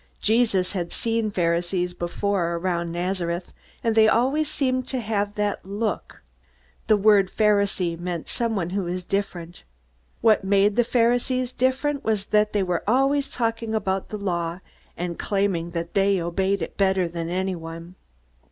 Jesus had seen Pharisees before, around Nazareth, and they always seemed to have that look. The word "Pharisee" meant "someone who is different." What made the Pharisees different was that they were always talking about the Law, and claiming that they obeyed it better than anyone else.